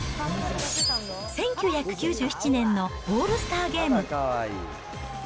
１９９７年のオールスターゲーム。